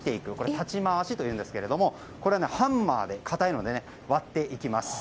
裁ち回しというんですがかたいのでハンマーで割っていきます。